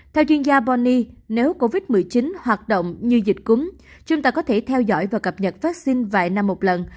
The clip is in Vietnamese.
theo chuyên gia bonny nếu covid một mươi chín hoạt động như dịch cúm chúng ta có thể theo dõi và cập nhật vaccine vài năm một lần